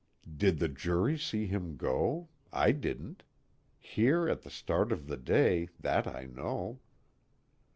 (_Did the jury see him go? I didn't. Here at the start of the day, that I know.